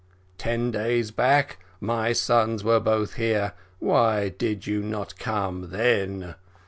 Ten days back my sons were both here why did you not come then?